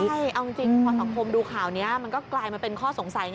ใช่เอาจริงพอสังคมดูข่าวนี้มันก็กลายมาเป็นข้อสงสัย